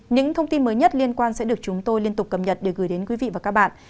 những thông tin mới nhất liên quan sẽ được chúng tôi liên tục cập nhật để gửi đến quý vị và các bạn